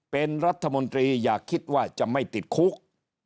เป็นรัฐมนตรีอย่าคิดว่าจะไม่ติดคุก